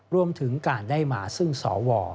รวมถึงการได้มาซึ่งสว